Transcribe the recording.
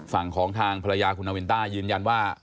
ฝั่งของทางภรรยาคุณนาวินต้ายืนยันว่า